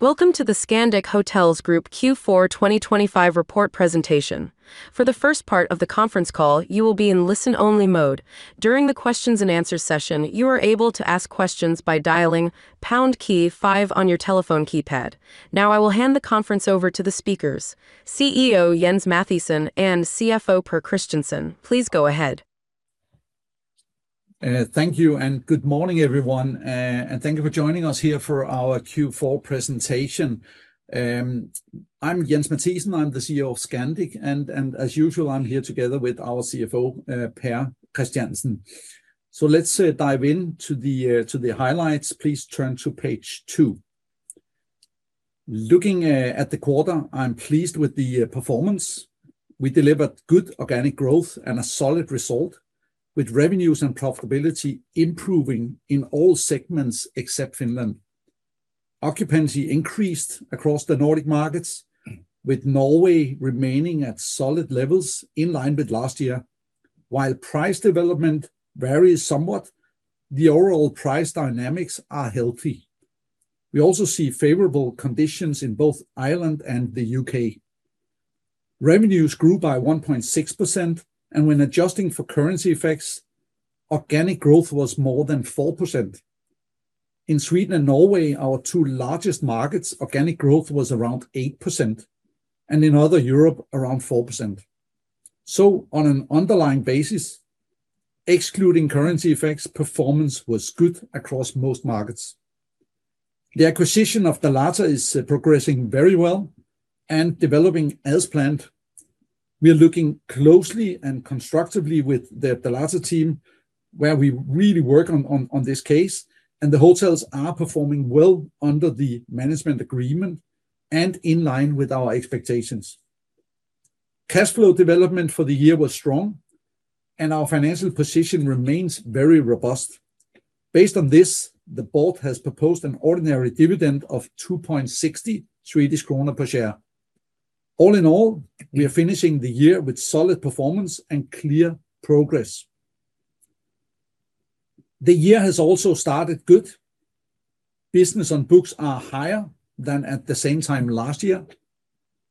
Welcome to the Scandic Hotels Group Q4 2025 report presentation. For the first part of the conference call, you will be in listen-only mode. During the questions and answers session, you are able to ask questions by dialing pound key five on your telephone keypad. Now, I will hand the conference over to the speakers, CEO Jens Mathiesen and CFO Pär Christiansen. Please go ahead. Thank you, and good morning, everyone, and thank you for joining us here for our Q4 presentation. I'm Jens Mathiesen. I'm the CEO of Scandic, and as usual, I'm here together with our CFO, Pär Christiansen. So let's dive into the highlights. Please turn to page two. Looking at the quarter, I'm pleased with the performance. We delivered good organic growth and a solid result, with revenues and profitability improving in all segments except Finland. Occupancy increased across the Nordic markets, with Norway remaining at solid levels in line with last year. While price development varies somewhat, the overall price dynamics are healthy. We also see favorable conditions in both Ireland and the UK. Revenues grew by 1.6%, and when adjusting for currency effects, organic growth was more than 4%. In Sweden and Norway, our two largest markets, organic growth was around 8%, and in other Europe, around 4%. So on an underlying basis, excluding currency effects, performance was good across most markets. The acquisition of Dalata is progressing very well and developing as planned. We are looking closely and constructively with the Dalata team, where we really work on this case, and the hotels are performing well under the management agreement and in line with our expectations. Cash flow development for the year was strong, and our financial position remains very robust. Based on this, the board has proposed an ordinary dividend of 2.60 Swedish kronor per share. All in all, we are finishing the year with solid performance and clear progress. The year has also started good. Business on books are higher than at the same time last year,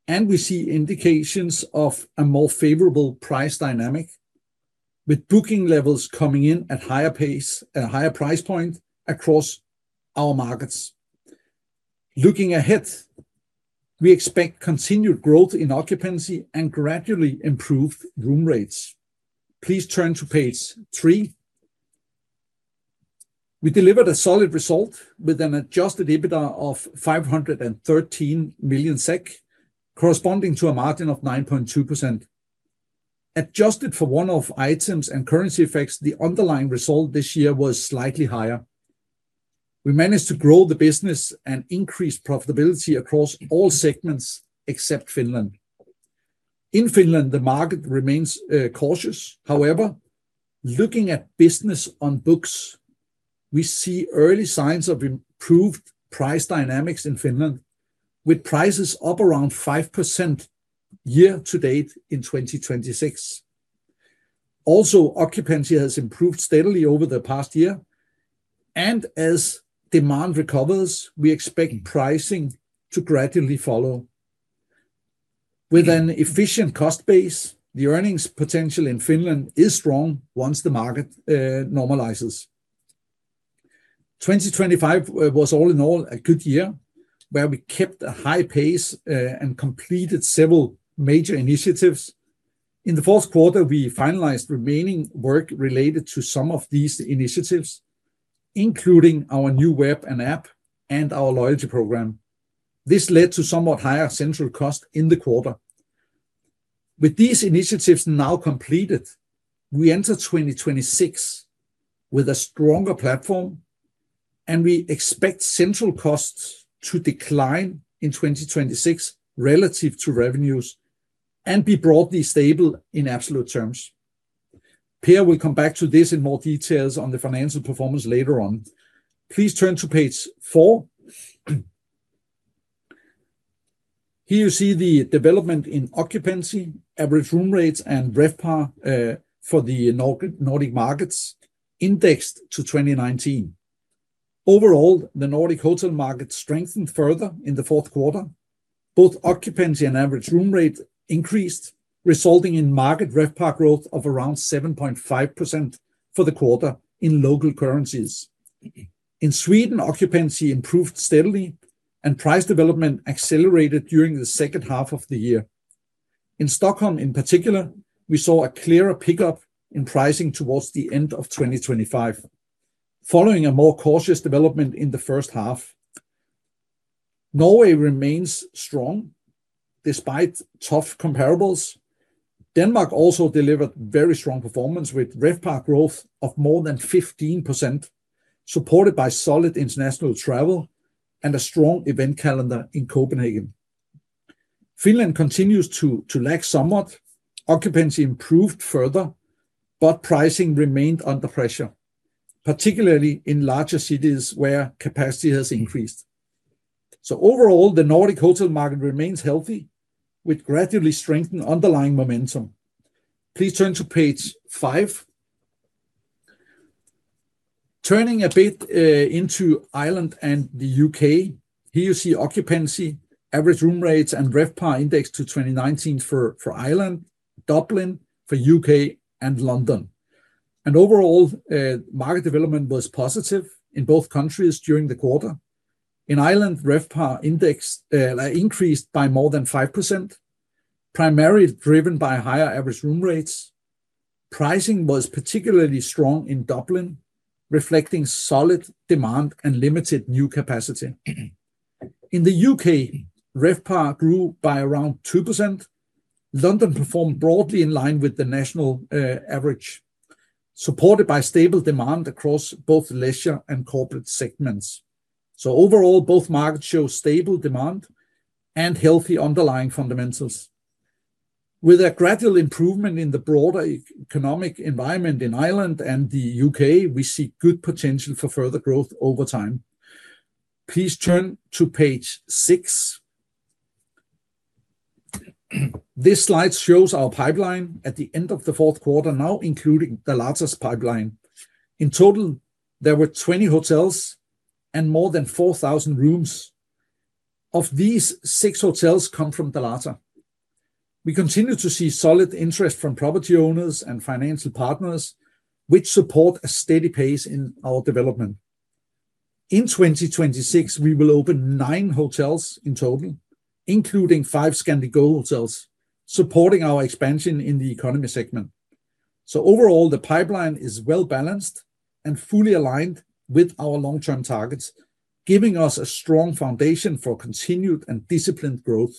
and we see indications of a more favorable price dynamic, with booking levels coming in at higher pace, at a higher price point across our markets. Looking ahead, we expect continued growth in occupancy and gradually improved room rates. Please turn to page 3. We delivered a solid result with an Adjusted EBITDA of 513 million SEK, corresponding to a margin of 9.2%. Adjusted for one-off items and currency effects, the underlying result this year was slightly higher. We managed to grow the business and increase profitability across all segments except Finland. In Finland, the market remains cautious. However, looking at business on books, we see early signs of improved price dynamics in Finland, with prices up around 5% year to date in 2026. Also, occupancy has improved steadily over the past year, and as demand recovers, we expect pricing to gradually follow. With an efficient cost base, the earnings potential in Finland is strong once the market normalizes. 2025 was all in all a good year, where we kept a high pace and completed several major initiatives. In the fourth quarter, we finalized remaining work related to some of these initiatives, including our new web and app and our loyalty program. This led to somewhat higher central cost in the quarter. With these initiatives now completed, we enter 2026 with a stronger platform, and we expect central costs to decline in 2026 relative to revenues and be broadly stable in absolute terms. Pär will come back to this in more details on the financial performance later on. Please turn to page four. Here you see the development in occupancy, average room rates, and RevPAR for the Nordic markets indexed to 2019. Overall, the Nordic hotel market strengthened further in the fourth quarter. Both occupancy and average room rate increased, resulting in market RevPAR growth of around 7.5% for the quarter in local currencies. In Sweden, occupancy improved steadily, and price development accelerated during the second half of the year. In Stockholm, in particular, we saw a clearer pickup in pricing towards the end of 2025, following a more cautious development in the first half. Norway remains strong despite tough comparables. Denmark also delivered very strong performance, with RevPAR growth of more than 15%, supported by solid international travel and a strong event calendar in Copenhagen. Finland continues to lag somewhat. Occupancy improved further, but pricing remained under pressure, particularly in larger cities where capacity has increased. So overall, the Nordic hotel market remains healthy, with gradually strengthened underlying momentum. Please turn to page 5. Turning a bit into Ireland and the UK, here you see occupancy, average room rates, and RevPAR indexed to 2019 for Ireland, Dublin, for UK, and London. Overall, market development was positive in both countries during the quarter. In Ireland, RevPAR index increased by more than 5%, primarily driven by higher average room rates. Pricing was particularly strong in Dublin, reflecting solid demand and limited new capacity. In the UK, RevPAR grew by around 2%. London performed broadly in line with the national average, supported by stable demand across both leisure and corporate segments. So overall, both markets show stable demand and healthy underlying fundamentals. With a gradual improvement in the broader economic environment in Ireland and the UK, we see good potential for further growth over time. Please turn to page 6. This slide shows our pipeline at the end of the fourth quarter, now including Dalata's pipeline. In total, there were 20 hotels and more than 4,000 rooms. Of these, 6 hotels come from Dalata. We continue to see solid interest from property owners and financial partners, which support a steady pace in our development. In 2026, we will open 9 hotels in total, including 5 Scandic Go hotels, supporting our expansion in the economy segment. So overall, the pipeline is well-balanced and fully aligned with our long-term targets, giving us a strong foundation for continued and disciplined growth.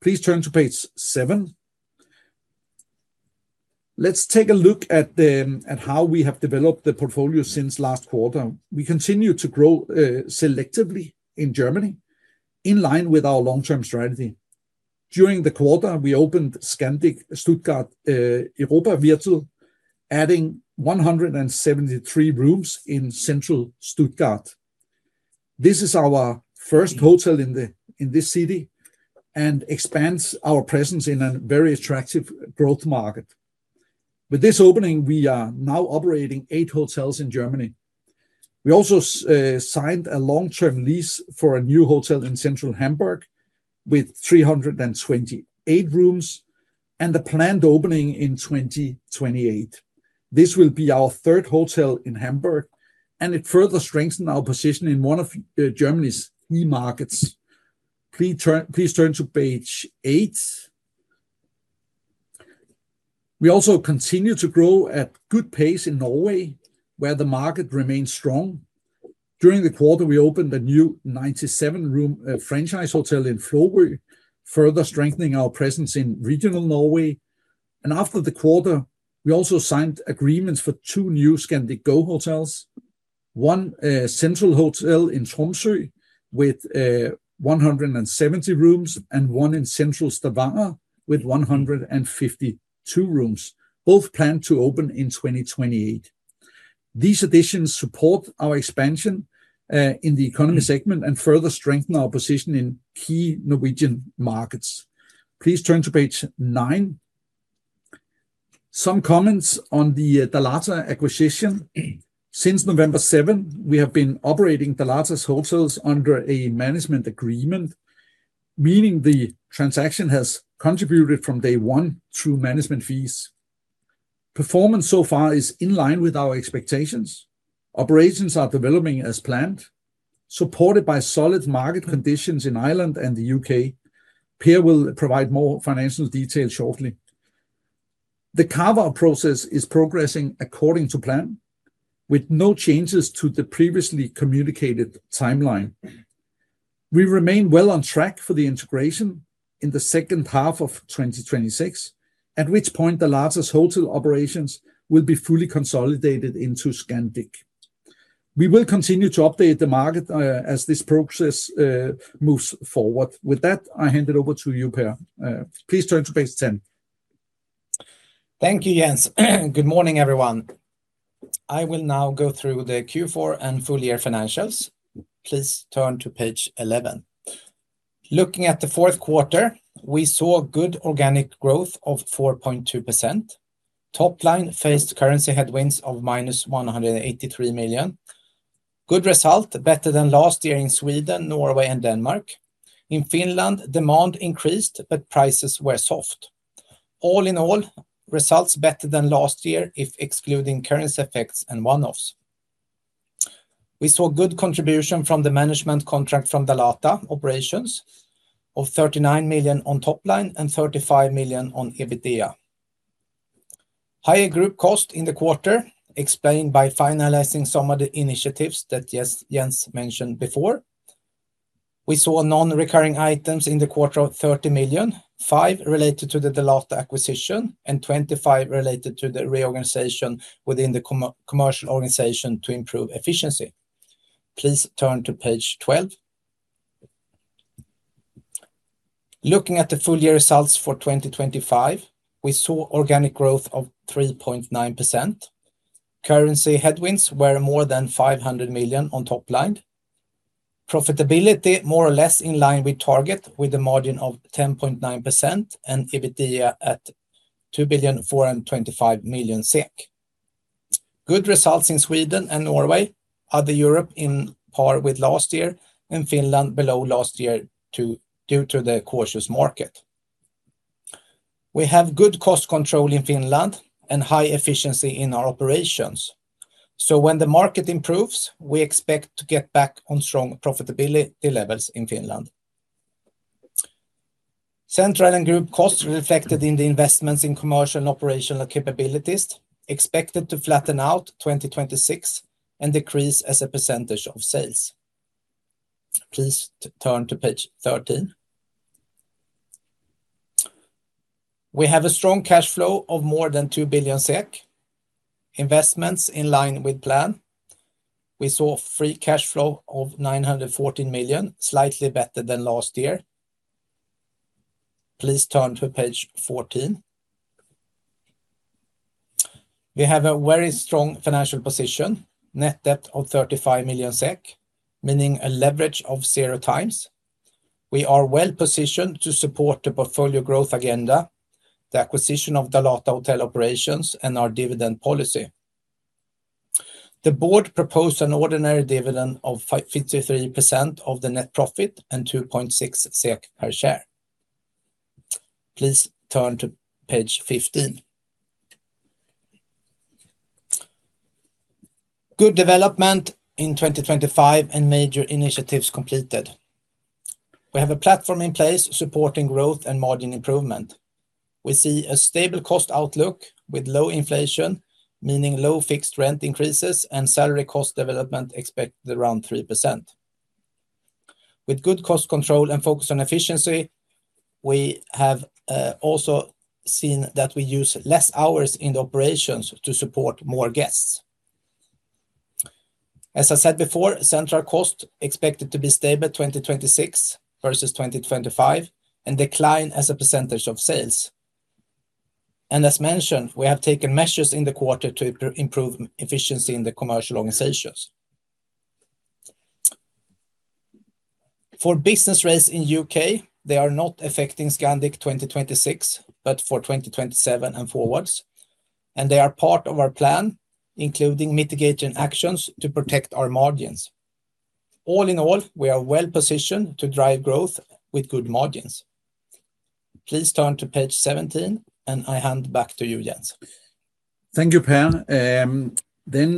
Please turn to page 7. Let's take a look at at how we have developed the portfolio since last quarter. We continue to grow selectively in Germany, in line with our long-term strategy. During the quarter, we opened Scandic Stuttgart Europaviertel, adding 173 rooms in central Stuttgart. This is our first hotel in this city and expands our presence in a very attractive growth market. With this opening, we are now operating eight hotels in Germany. We also signed a long-term lease for a new hotel in central Hamburg with 328 rooms and a planned opening in 2028. This will be our third hotel in Hamburg, and it further strengthened our position in one of Germany's key markets. Please turn to page eight. We also continue to grow at good pace in Norway, where the market remains strong. During the quarter, we opened a new 97-room franchise hotel in Førde, further strengthening our presence in regional Norway. After the quarter, we also signed agreements for two new Scandic Go hotels, one central hotel in Tromsø with 170 rooms, and one in central Stavanger with 152 rooms. Both planned to open in 2028. These additions support our expansion in the economy segment and further strengthen our position in key Norwegian markets. Please turn to page 9. Some comments on the Dalata acquisition. Since November 7, we have been operating Dalata's hotels under a management agreement, meaning the transaction has contributed from day one through management fees. Performance so far is in line with our expectations. Operations are developing as planned, supported by solid market conditions in Ireland and the UK. Per will provide more financial details shortly. The carve-out process is progressing according to plan, with no changes to the previously communicated timeline. We remain well on track for the integration in the second half of 2026, at which point Dalata's hotel operations will be fully consolidated into Scandic. We will continue to update the market as this process moves forward. With that, I hand it over to you, Pär. Please turn to page 10. Thank you, Jens. Good morning, everyone. I will now go through the Q4 and full-year financials. Please turn to page 11. Looking at the fourth quarter, we saw good organic growth of 4.2%. Top line faced currency headwinds of -183 million. Good result, better than last year in Sweden, Norway, and Denmark. In Finland, demand increased, but prices were soft. All in all, results better than last year, if excluding currency effects and one-offs. We saw good contribution from the management contract from Dalata operations of 39 million on top line and 35 million on EBITDA. Higher group cost in the quarter, explained by finalizing some of the initiatives that Jens mentioned before. We saw non-recurring items in the quarter of 30 million, 5 related to the Dalata acquisition, and 25 related to the reorganization within the commercial organization to improve efficiency. Please turn to page 12. Looking at the full-year results for 2025, we saw organic growth of 3.9%. Currency headwinds were more than 500 million on top line. Profitability more or less in line with target, with a margin of 10.9% and EBITDA at 2.425 billion SEK. Good results in Sweden and Norway, other Europe on par with last year, and Finland below last year due to the cautious market. We have good cost control in Finland and high efficiency in our operations, so when the market improves, we expect to get back on strong profitability levels in Finland. Central and group costs reflected in the investments in commercial and operational capabilities, expected to flatten out 2026 and decrease as a percentage of sales. Please turn to page 13. We have a strong cash flow of more than 2 billion SEK. Investments in line with plan. We saw free cash flow of 914 million, slightly better than last year. Please turn to page 14. We have a very strong financial position, net debt of 35 million SEK, meaning a leverage of 0x. We are well-positioned to support the portfolio growth agenda, the acquisition of Dalata Hotel operations, and our dividend policy. The board proposed an ordinary dividend of 53% of the net profit and 2.6 SEK per share. Please turn to page 15. Good development in 2025 and major initiatives completed. We have a platform in place supporting growth and margin improvement. We see a stable cost outlook with low inflation, meaning low fixed rent increases and salary cost development expected around 3%. With good cost control and focus on efficiency, we have also seen that we use less hours in the operations to support more guests. As I said before, central cost expected to be stable 2026 versus 2025, and decline as a percentage of sales. And as mentioned, we have taken measures in the quarter to improve efficiency in the commercial organizations. For business rates in U.K., they are not affecting Scandic 2026, but for 2027 and forwards, and they are part of our plan, including mitigation actions to protect our margins. All in all, we are well-positioned to drive growth with good margins. Please turn to page 17, and I hand back to you, Jens. Thank you, Pär. Then,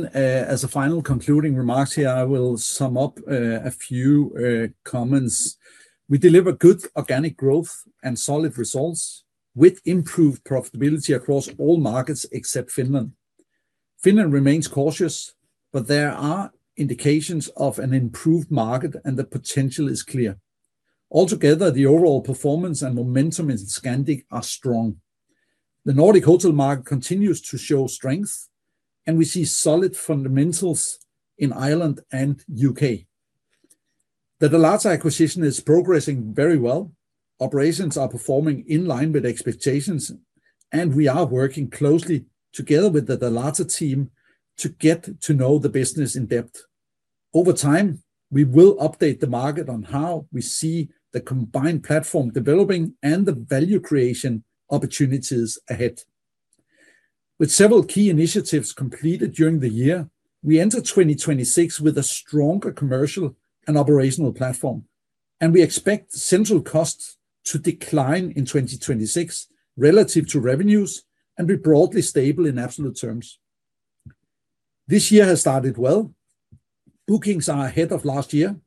as a final concluding remarks here, I will sum up a few comments. We deliver good organic growth and solid results with improved profitability across all markets except Finland. Finland remains cautious, but there are indications of an improved market, and the potential is clear. Altogether, the overall performance and momentum in Scandic are strong. The Nordic hotel market continues to show strength, and we see solid fundamentals in Ireland and UK. The Dalata acquisition is progressing very well. Operations are performing in line with expectations, and we are working closely together with the Dalata team to get to know the business in depth. Over time, we will update the market on how we see the combined platform developing and the value creation opportunities ahead. With several key initiatives completed during the year, we enter 2026 with a stronger commercial and operational platform, and we expect central costs to decline in 2026 relative to revenues and be broadly stable in absolute terms. This year has started well. Bookings are ahead of last year.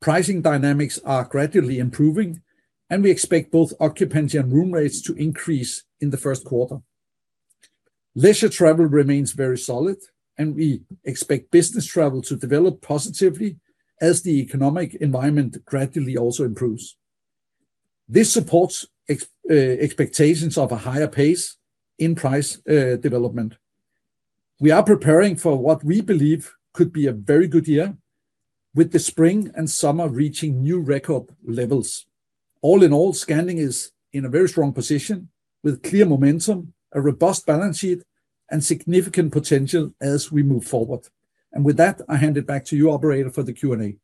Pricing dynamics are gradually improving, and we expect both occupancy and room rates to increase in the first quarter. Leisure travel remains very solid, and we expect business travel to develop positively as the economic environment gradually also improves. This supports expectations of a higher pace in price development. We are preparing for what we believe could be a very good year, with the spring and summer reaching new record levels. All in all, Scandic is in a very strong position with clear momentum, a robust balance sheet, and significant potential as we move forward. With that, I hand it back to you, operator, for the Q&A.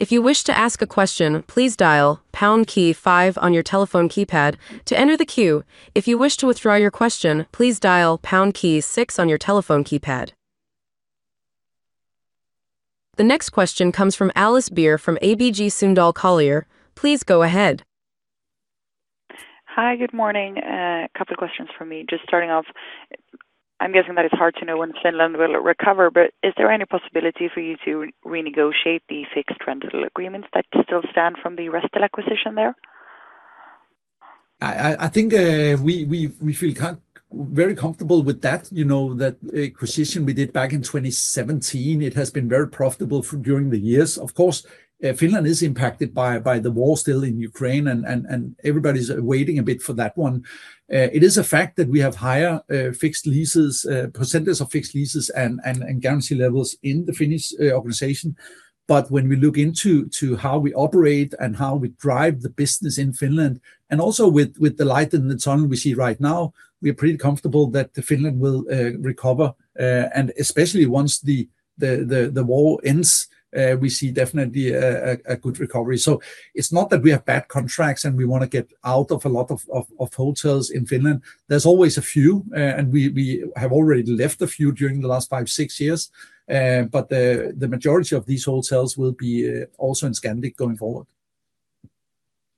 If you wish to ask a question, please dial pound key five on your telephone keypad to enter the queue. If you wish to withdraw your question, please dial pound key six on your telephone keypad. The next question comes from Alice Beer from ABG Sundal Collier. Please go ahead. Hi, good morning. A couple of questions from me. Just starting off, I'm guessing that it's hard to know when Finland will recover, but is there any possibility for you to renegotiate the fixed rental agreements that still stand from the Restel acquisition there? I think we feel very comfortable with that, you know, that acquisition we did back in 2017, it has been very profitable for during the years. Of course, Finland is impacted by the war still in Ukraine, and everybody's waiting a bit for that one. It is a fact that we have higher fixed leases, percentage of fixed leases and guarantee levels in the Finnish organization. But when we look into how we operate and how we drive the business in Finland, and also with the light in the tunnel we see right now, we are pretty comfortable that the Finland will recover. And especially once the war ends, we see definitely a good recovery. So it's not that we have bad contracts, and we want to get out of a lot of hotels in Finland. There's always a few, and we have already left a few during the last 5-6 years. But the majority of these hotels will be also in Scandic going forward.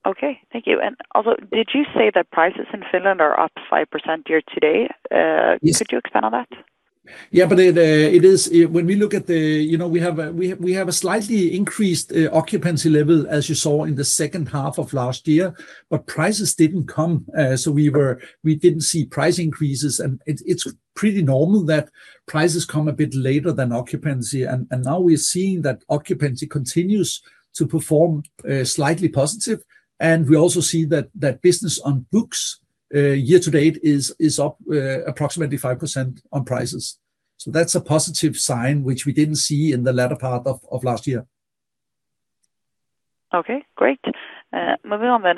Okay. Thank you. Also, did you say that prices in Finland are up 5% year to date? Yes. Could you expand on that? Yeah, but it is. When we look at the... You know, we have a slightly increased occupancy level, as you saw in the second half of last year, but prices didn't come. So we didn't see price increases, and it's pretty normal that prices come a bit later than occupancy. And now we're seeing that occupancy continues to perform slightly positive, and we also see that business on books year to date is up approximately 5% on prices. So that's a positive sign, which we didn't see in the latter part of last year. Okay, great. Moving on then.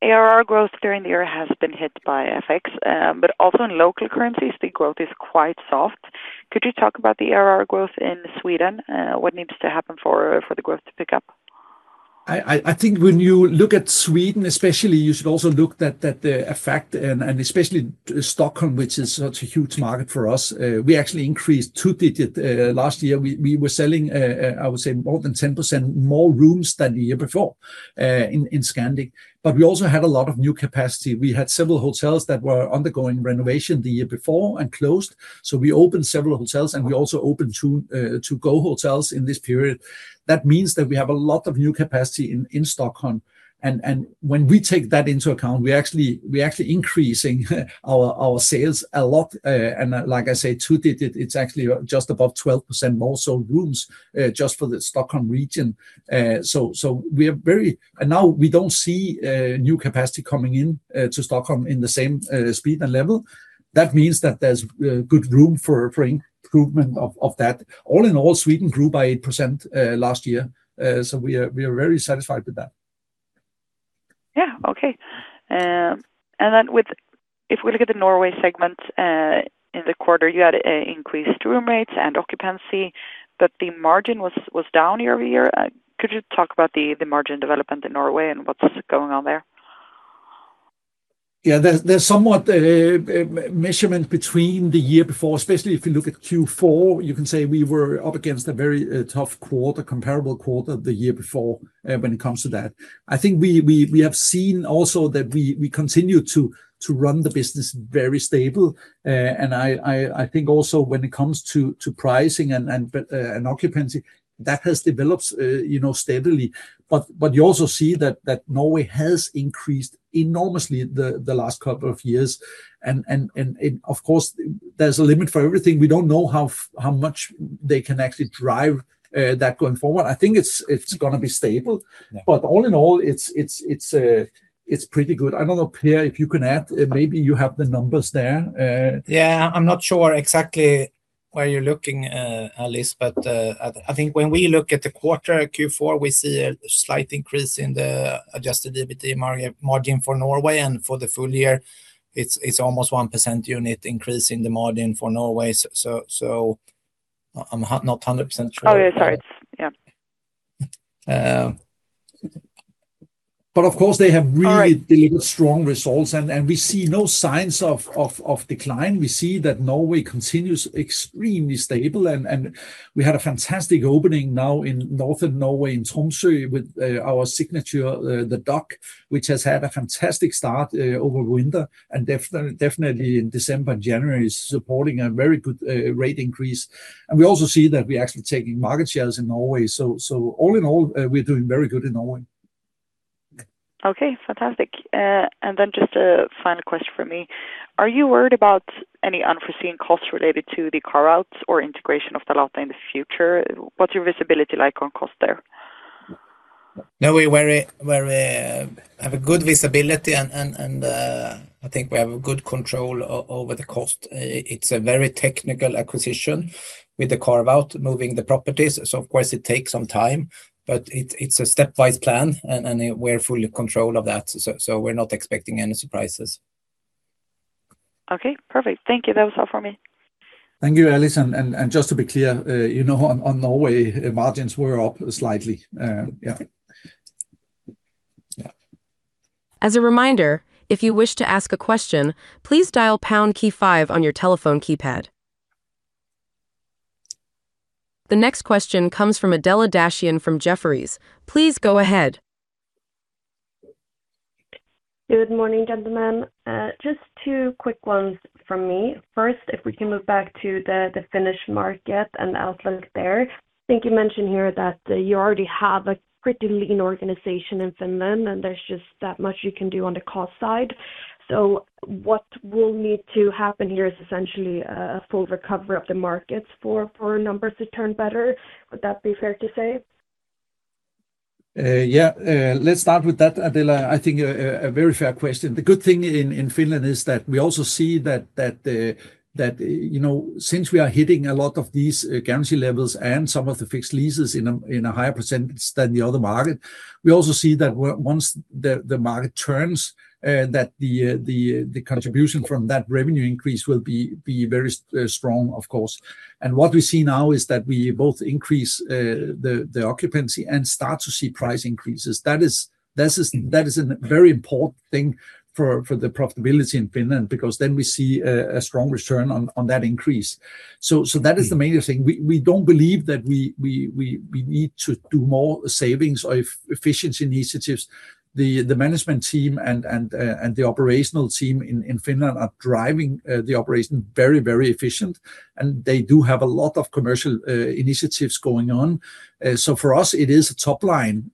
ARR growth during the year has been hit by FX, but also in local currencies, the growth is quite soft. Could you talk about the ARR growth in Sweden? What needs to happen for, for the growth to pick up? I think when you look at Sweden especially, you should also look at the effect and especially Stockholm, which is such a huge market for us. We actually increased two-digit. Last year, we were selling, I would say more than 10% more rooms than the year before in Scandic. But we also had a lot of new capacity. We had several hotels that were undergoing renovation the year before and closed, so we opened several hotels, and we also opened two Go hotels in this period. That means that we have a lot of new capacity in Stockholm, and when we take that into account, we actually, we're actually increasing our sales a lot. And like I say, two-digit, it's actually just above 12% more sold rooms, just for the Stockholm region. So we are very. And now we don't see new capacity coming in to Stockholm in the same speed and level. That means that there's good room for improvement of that. All in all, Sweden grew by 8% last year. So we are very satisfied with that. Yeah. Okay. And then with… If we look at the Norway segment in the quarter, you had increased room rates and occupancy, but the margin was down year-over-year. Could you talk about the margin development in Norway, and what's going on there? Yeah, there's somewhat measurement between the year before, especially if you look at Q4. You can say we were up against a very tough quarter, comparable quarter the year before, when it comes to that. I think we have seen also that we continue to run the business very stable. And I think also when it comes to pricing and occupancy, that has developed, you know, steadily. But you also see that Norway has increased enormously the last couple of years. And of course, there's a limit for everything. We don't know how much they can actually drive that going forward. I think it's gonna be stable. But all in all, it's pretty good. I don't know, Pär, if you can add. Maybe you have the numbers there. Yeah. I'm not sure exactly where you're looking, Alice, but I think when we look at the quarter, Q4, we see a slight increase in the Adjusted EBIT margin, margin for Norway, and for the full year, it's almost 1% unit increase in the margin for Norway. So I'm not 100% sure. Oh, yeah, sorry. Yeah. But of course, they have- All right... really delivered strong results, and we see no signs of decline. We see that Norway continues extremely stable, and we had a fantastic opening now in northern Norway, in Tromsø, with our signature, The Dock, which has had a fantastic start over winter, and definitely in December and January, supporting a very good rate increase. And we also see that we're actually taking market shares in Norway. So all in all, we're doing very good in Norway. Okay, fantastic. And then just a final question from me. Are you worried about any unforeseen costs related to the carve-outs or integration of Dalata in the future? What's your visibility like on cost there? No, we're very, very, have a good visibility and, and, I think we have a good control over the cost. It's a very technical acquisition with the carve-out, moving the properties, so of course it takes some time, but it's a stepwise plan, and we're fully in control of that. So, we're not expecting any surprises. Okay, perfect. Thank you. That was all for me. Thank you, Alice. Just to be clear, you know, on Norway, margins were up slightly. Yeah. Yeah. As a reminder, if you wish to ask a question, please dial pound key five on your telephone keypad. The next question comes from Adela Dashian from Jefferies. Please go ahead. Good morning, gentlemen. Just two quick ones from me. First, if we can move back to the Finnish market and the outlook there. I think you mentioned here that you already have a pretty lean organization in Finland, and there's just not much you can do on the cost side. So what will need to happen here is essentially a full recovery of the markets for our numbers to turn better. Would that be fair to say? Yeah, let's start with that, Adela. I think a very fair question. The good thing in Finland is that we also see that you know, since we are hitting a lot of these guarantee levels and some of the fixed leases in a higher percentage than the other market, we also see that once the market turns, that the contribution from that revenue increase will be very strong, of course. And what we see now is that we both increase the occupancy and start to see price increases. That is a very important thing for the profitability in Finland, because then we see a strong return on that increase. So that is the major thing. We don't believe that we need to do more savings or efficiency initiatives. The management team and the operational team in Finland are driving the operation very efficiently, and they do have a lot of commercial initiatives going on. So for us, it is a top line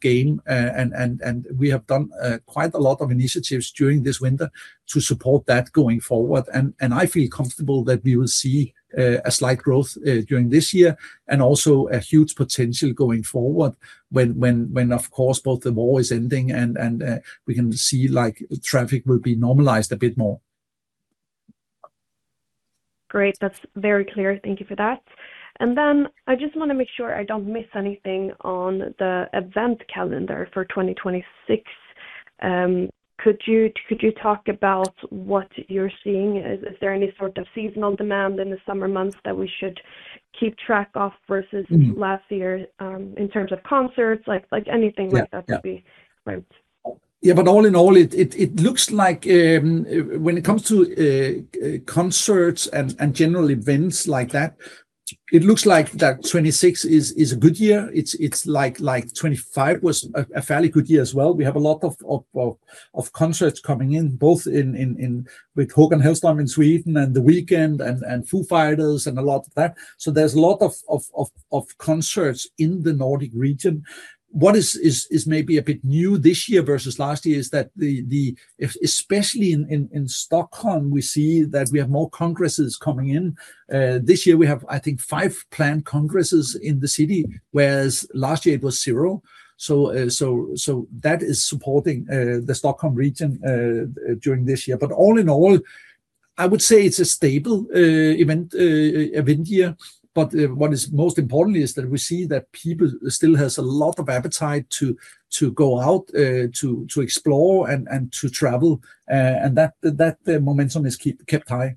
game, and we have done quite a lot of initiatives during this winter to support that going forward. And I feel comfortable that we will see a slight growth during this year, and also a huge potential going forward when, of course, both the war is ending and we can see, like, traffic will be normalized a bit more. Great. That's very clear. Thank you for that. And then I just wanna make sure I don't miss anything on the event calendar for 2026. Could you talk about what you're seeing? Is there any sort of seasonal demand in the summer months that we should keep track of versus- Mm-hmm... last year, in terms of concerts? Like, anything like that- Yeah, yeah would be great. Yeah, but all in all, it looks like when it comes to concerts and general events like that, it looks like that 2026 is a good year. It's like 2025 was a fairly good year as well. We have a lot of concerts coming in, both with Håkan Hellström in Sweden, and The Weeknd, and Foo Fighters and a lot of that. So there's a lot of concerts in the Nordic region. What is maybe a bit new this year versus last year is that especially in Stockholm, we see that we have more congresses coming in. This year we have, I think, 5 planned congresses in the city, whereas last year it was 0. So that is supporting the Stockholm region during this year. But all in all, I would say it's a stable event year. But what is most importantly is that we see that people still has a lot of appetite to go out to explore and to travel, and that momentum is kept high.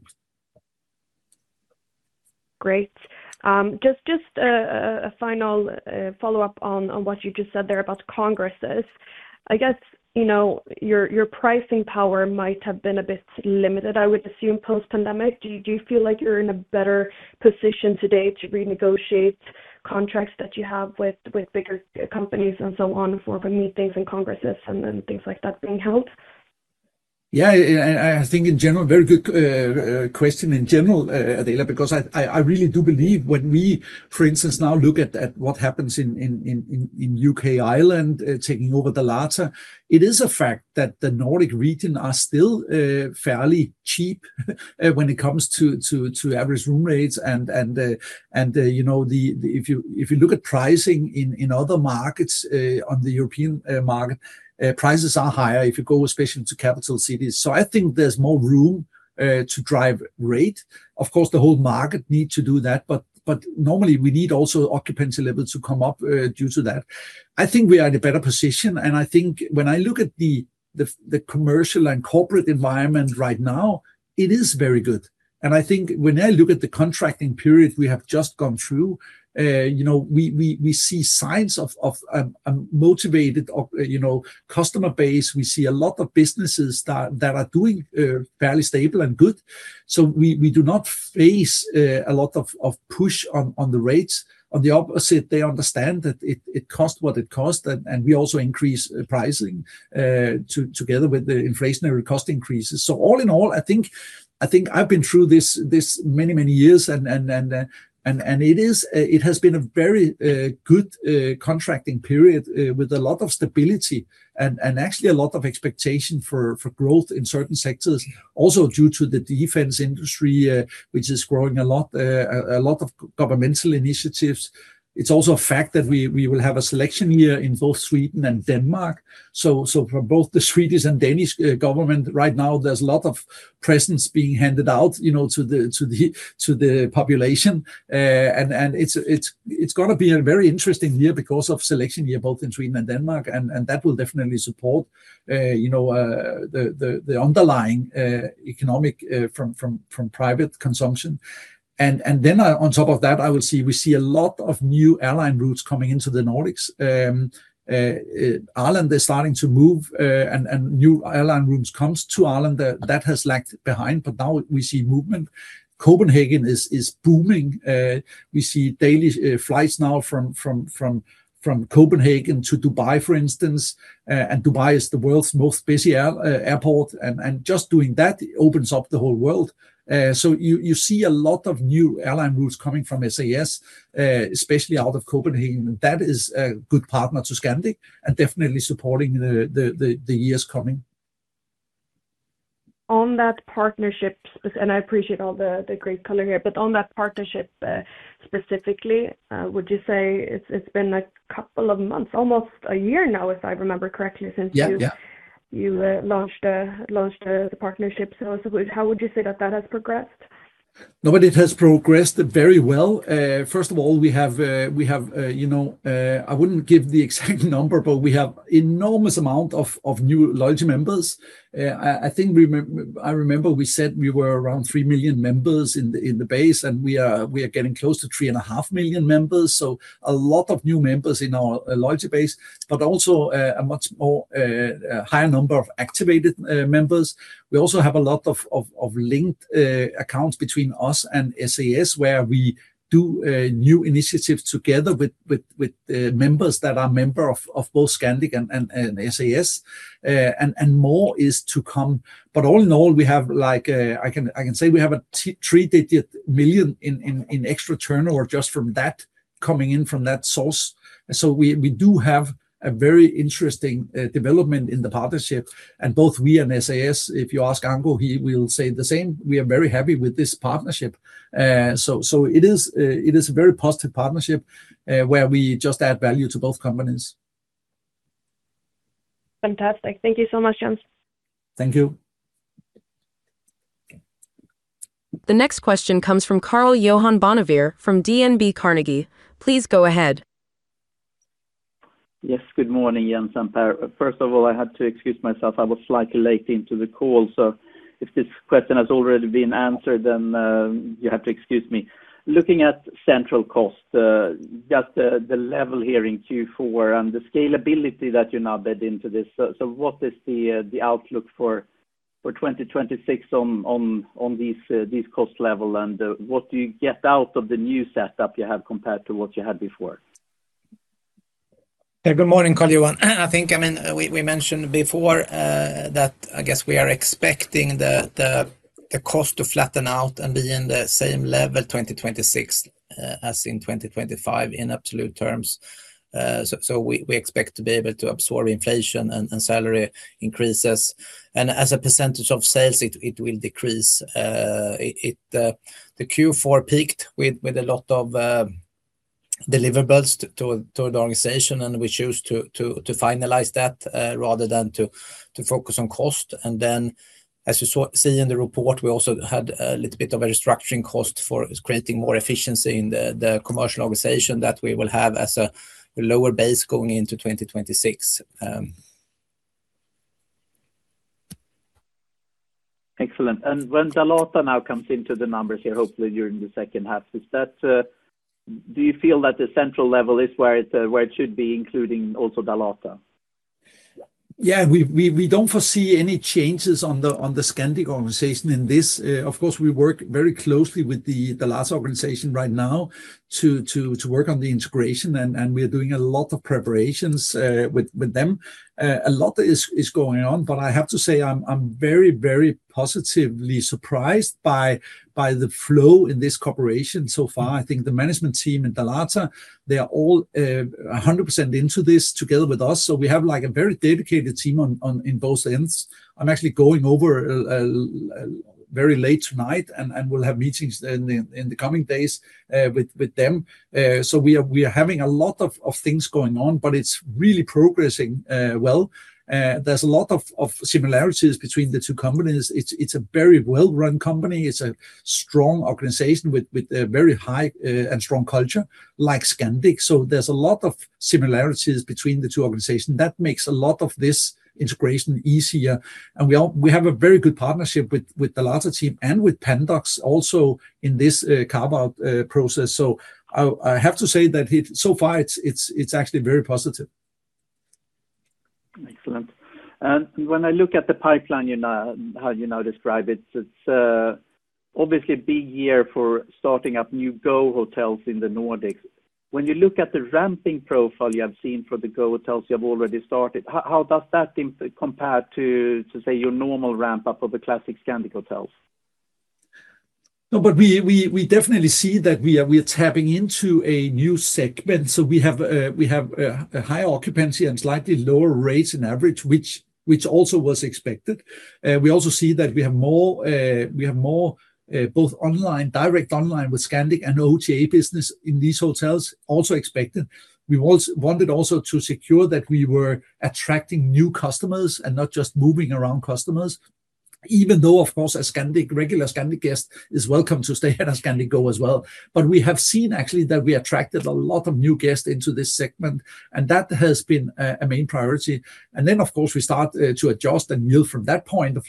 Great. Just a final follow-up on what you just said there about congresses. I guess, you know, your pricing power might have been a bit limited, I would assume, post-pandemic. Do you feel like you're in a better position today to renegotiate contracts that you have with bigger companies and so on, for meetings and congresses and then things like that being held? Yeah, and I think in general, very good question in general, Adela, because I really do believe when we, for instance, now look at what happens in UK, Ireland, taking over the latter, it is a fact that the Nordic region are still fairly cheap when it comes to average room rates. And you know, if you look at pricing in other markets on the European market, prices are higher if you go especially to capital cities. So I think there's more room to drive rate. Of course, the whole market need to do that, but normally, we need also occupancy levels to come up due to that. I think we are in a better position, and I think when I look at the commercial and corporate environment right now, it is very good. I think when I look at the contracting period we have just gone through, you know, we see signs of a motivated, you know, customer base. We see a lot of businesses that are doing fairly stable and good, so we do not face a lot of push on the rates. On the opposite, they understand that it costs what it costs, and we also increase pricing together with the inflationary cost increases. So all in all, I think I've been through this many, many years and it has been a very good contracting period with a lot of stability and actually a lot of expectation for growth in certain sectors. Also, due to the defense industry, which is growing a lot, a lot of governmental initiatives. It's also a fact that we will have an election year in both Sweden and Denmark. So for both the Swedish and Danish government right now, there's a lot of presents being handed out, you know, to the population. It's gonna be a very interesting year because of election year both in Sweden and Denmark, and that will definitely support, you know, the underlying economic from private consumption. And then on top of that, we see a lot of new airline routes coming into the Nordics. Ireland is starting to move, and new airline routes comes to Ireland. That has lagged behind, but now we see movement. Copenhagen is booming. We see daily flights now from Copenhagen to Dubai, for instance. And Dubai is the world's most busy airport, and just doing that opens up the whole world. So you see a lot of new airline routes coming from SAS, especially out of Copenhagen, and that is a good partner to Scandic and definitely supporting the years coming.... on that partnership, and I appreciate all the great color here, but on that partnership, specifically, would you say it's been a couple of months, almost a year now, if I remember correctly? Yeah, yeah since you launched the partnership. So how would you say that has progressed? No, but it has progressed very well. First of all, we have, you know, I wouldn't give the exact number, but we have enormous amount of new loyalty members. I remember we said we were around 3 million members in the base, and we are getting close to 3.5 million members. So a lot of new members in our loyalty base, but also a much more higher number of activated members. We also have a lot of linked accounts between us and SAS, where we do new initiatives together with members that are members of both Scandic and SAS. And more is to come. But all in all, we have like, I can say we have 3 million in extra turnover just from that coming in from that source. So we do have a very interesting development in the partnership, and both we and SAS, if you ask Anko, he will say the same. We are very happy with this partnership. So it is a very positive partnership where we just add value to both companies. Fantastic. Thank you so much, Jens. Thank you. The next question comes from Karl-Johan Bonnevier from DNB Carnegie. Please go ahead. Yes, good morning, Jens and Pär. First of all, I had to excuse myself. I was slightly late into the call, so if this question has already been answered, then you have to excuse me. Looking at central cost, just the level here in Q4 and the scalability that you now build into this, so what is the outlook for 2026 on these cost level? And, what do you get out of the new setup you have compared to what you had before? Yeah. Good morning, Karl-Johan. I think, I mean, we mentioned before that I guess we are expecting the cost to flatten out and be in the same level 2026 as in 2025, in absolute terms. So we expect to be able to absorb inflation and salary increases, and as a percentage of sales, it will decrease. The Q4 peaked with a lot of deliverables to the organization, and we choose to finalize that rather than to focus on cost. And then, as you saw, see in the report, we also had a little bit of a restructuring cost for creating more efficiency in the commercial organization that we will have as a lower base going into 2026. Excellent. And when Dalata now comes into the numbers here, hopefully during the second half, is that... Do you feel that the central level is where it, where it should be, including also Dalata? Yeah, we don't foresee any changes on the Scandic organization in this. Of course, we work very closely with the Dalata organization right now to work on the integration, and we are doing a lot of preparations with them. A lot is going on, but I have to say I'm very positively surprised by the flow in this cooperation so far. I think the management team in Dalata, they are all 100% into this together with us, so we have, like, a very dedicated team in both ends. I'm actually going over very late tonight and will have meetings in the coming days with them. So we are having a lot of things going on, but it's really progressing well. There's a lot of similarities between the two companies. It's a very well-run company. It's a strong organization with a very high and strong culture like Scandic. So there's a lot of similarities between the two organizations. That makes a lot of this integration easier, and we all, we have a very good partnership with Dalata team and with Pandox also in this carve-out process. So I have to say that it, so far, it's actually very positive. Excellent. And when I look at the pipeline, you know, how you know describe it, it's obviously a big year for starting up new Go hotels in the Nordics. When you look at the ramping profile you have seen for the Go hotels you have already started, how does that compare to, say, your normal ramp-up of the classic Scandic hotels? No, but we definitely see that we are tapping into a new segment. So we have a high occupancy and slightly lower rates on average, which also was expected. We also see that we have more, both online, direct online with Scandic and OTA business in these hotels, also expected. We wanted also to secure that we were attracting new customers and not just moving around customers, even though, of course, a regular Scandic guest is welcome to stay at a Scandic Go as well. But we have seen actually that we attracted a lot of new guests into this segment, and that has been a main priority. And then, of course, we start to adjust and build from that point of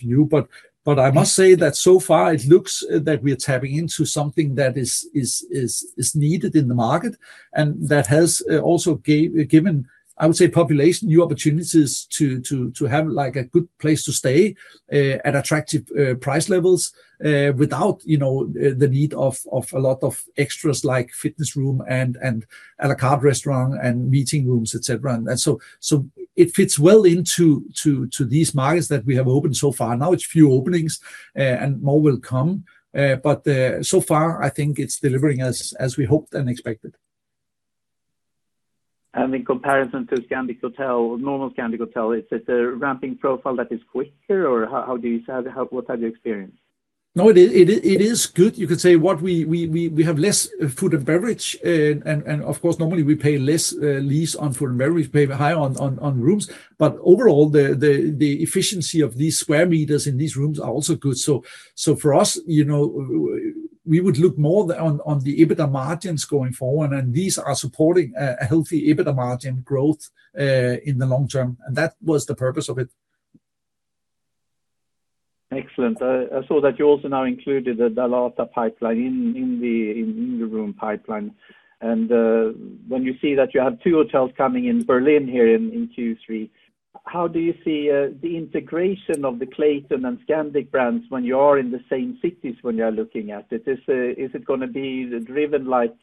view. But I must say that so far, it looks that we are tapping into something that is needed in the market, and that has also given, I would say, population new opportunities to have, like, a good place to stay at attractive price levels without, you know, the need of a lot of extras like fitness room and à la carte restaurant and meeting rooms, et cetera. So it fits well into these markets that we have opened so far. Now it's few openings and more will come, but so far, I think it's delivering as we hoped and expected.... In comparison to Scandic Hotels, normal Scandic Hotels, is it a ramping profile that is quicker, or how, how do you, how, what have you experienced? No, it is, it is, it is good. You could say what we have less food and beverage, and of course, normally we pay less lease on food and beverage, pay high on rooms. But overall, the efficiency of these square meters in these rooms are also good. So for us, you know, we would look more on the EBITDA margins going forward, and these are supporting a healthy EBITDA margin growth in the long term, and that was the purpose of it. Excellent. I saw that you also now included the Dalata pipeline in the room pipeline. And when you see that you have two hotels coming in Berlin here in Q3, how do you see the integration of the Clayton and Scandic brands when you are in the same cities when you are looking at it? Is it gonna be driven like,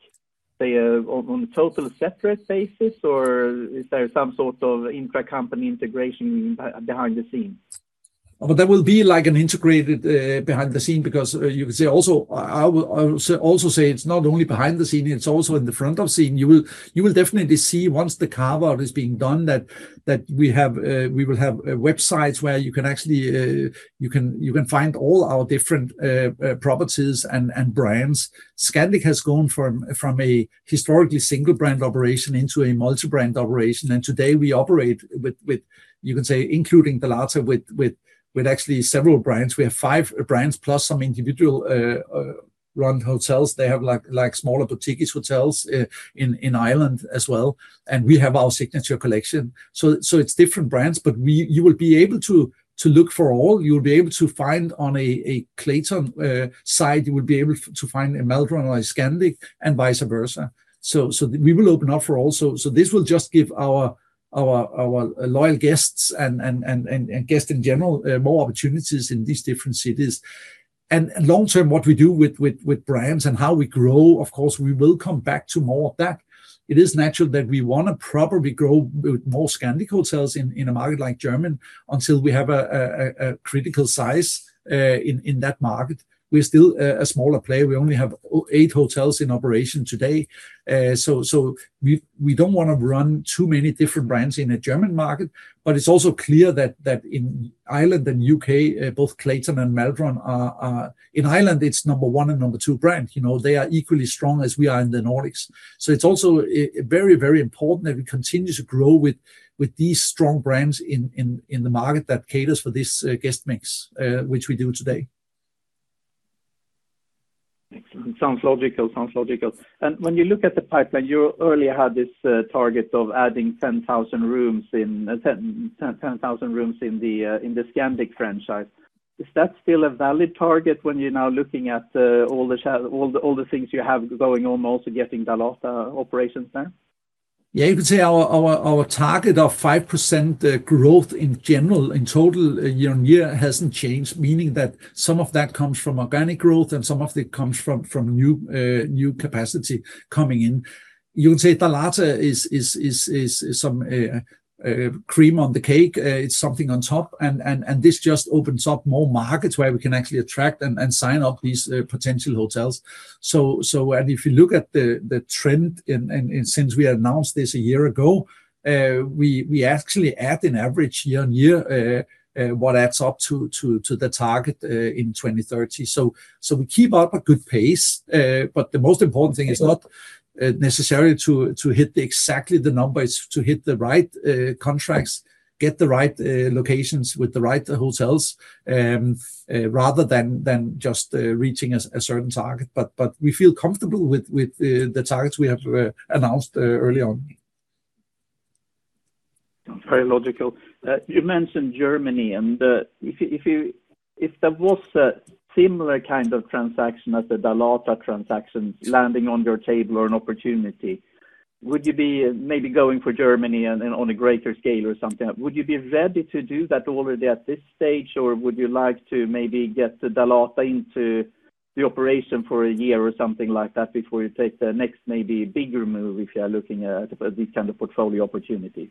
say, on a total separate basis, or is there some sort of intracompany integration behind the scenes? Well, there will be like an integrated, behind the scene because, you could say also, I will also say it's not only behind the scene, it's also in the front of scene. You will definitely see once the carve-out is being done, that we have, we will have, websites where you can actually, you can find all our different, properties and brands. Scandic has gone from a historically single brand operation into a multi-brand operation, and today we operate with, you can say, including Dalata, with actually several brands. We have five brands plus some individual, run hotels. They have, like, smaller boutique hotels, in Ireland as well, and we have our Signature Collection. So it's different brands, but we... You will be able to look for all. You'll be able to find on a Clayton site, you will be able to find a Maldron or a Scandic, and vice versa. So we will open up for all. So this will just give our loyal guests and guests in general more opportunities in these different cities. Long term, what we do with brands and how we grow, of course, we will come back to more of that. It is natural that we wanna probably grow with more Scandic hotels in a market like Germany until we have a critical size in that market. We're still a smaller player. We only have eight hotels in operation today. So we don't wanna run too many different brands in a German market, but it's also clear that in Ireland and UK, both Clayton and Maldron are... In Ireland, it's number one and number two brand. You know, they are equally strong as we are in the Nordics. So it's also very, very important that we continue to grow with these strong brands in the market that caters for this guest mix, which we do today. Excellent. Sounds logical. Sounds logical. When you look at the pipeline, you earlier had this target of adding 10,000 rooms in the Scandic franchise. Is that still a valid target when you're now looking at all the things you have going on, also getting Dalata operations there? Yeah, you could say our target of 5% growth in general, in total, year-on-year, hasn't changed, meaning that some of that comes from organic growth and some of it comes from new capacity coming in. You would say Dalata is some cream on the cake. It's something on top, and this just opens up more markets where we can actually attract and sign up these potential hotels. So and if you look at the trend in and since we announced this a year ago, we actually add an average year-on-year what adds up to the target in 2030. So we keep up a good pace, but the most important thing is not necessarily to hit exactly the numbers, to hit the right contracts, get the right locations with the right hotels, rather than just reaching a certain target. But we feel comfortable with the targets we have announced early on. Sounds very logical. You mentioned Germany, and if there was a similar kind of transaction as the Dalata transaction landing on your table or an opportunity, would you be maybe going for Germany on a greater scale or something? Would you be ready to do that already at this stage, or would you like to maybe get Dalata into the operation for a year or something like that before you take the next maybe bigger move, if you are looking at these kind of portfolio opportunities?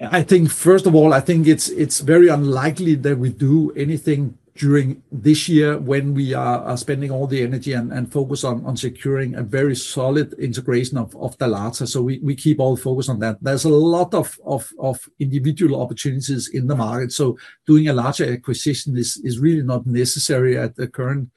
I think, first of all, I think it's very unlikely that we do anything during this year when we are spending all the energy and focus on securing a very solid integration of Dalata. So we keep all focused on that. There's a lot of individual opportunities in the market, so doing a larger acquisition is really not necessary at the current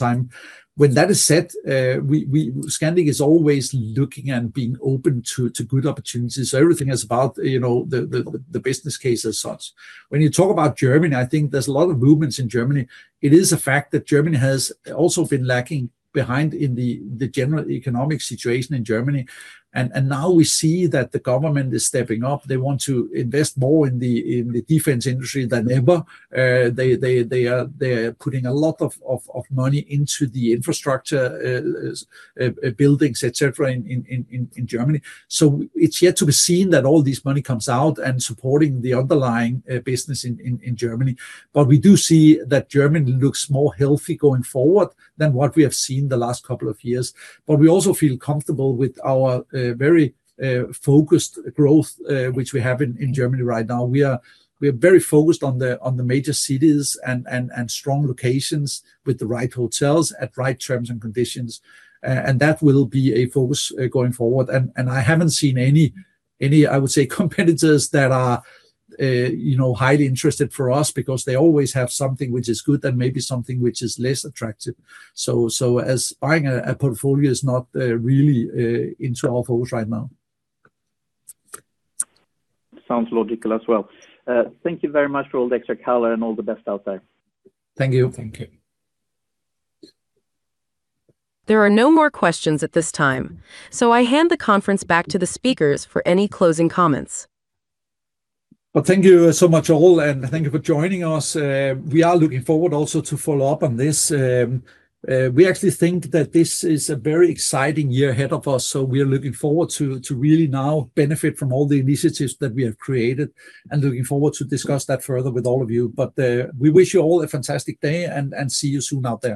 time. When that is said, we... Scandic is always looking and being open to good opportunities. So everything is about, you know, the business case as such. When you talk about Germany, I think there's a lot of movements in Germany. It is a fact that Germany has also been lacking behind in the general economic situation in Germany, and now we see that the government is stepping up. They want to invest more in the defense industry than ever. They are putting a lot of money into the infrastructure, buildings, et cetera, in Germany. So it's yet to be seen that all this money comes out and supporting the underlying business in Germany. But we do see that Germany looks more healthy going forward than what we have seen the last couple of years. But we also feel comfortable with our very focused growth, which we have in Germany right now. We are very focused on the major cities and strong locations with the right hotels at right terms and conditions, and that will be a focus going forward. And I haven't seen any, I would say, competitors that are, you know, highly interested for us because they always have something which is good and maybe something which is less attractive. So as buying a portfolio is not really into our focus right now. Sounds logical as well. Thank you very much for all the extra color, and all the best out there. Thank you. Thank you. There are no more questions at this time, so I hand the conference back to the speakers for any closing comments. Well, thank you so much all, and thank you for joining us. We are looking forward also to follow up on this. We actually think that this is a very exciting year ahead of us, so we are looking forward to really now benefit from all the initiatives that we have created and looking forward to discuss that further with all of you. But, we wish you all a fantastic day, and see you soon out there.